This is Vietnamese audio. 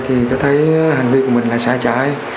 thì tôi thấy hành vi của mình là xa trái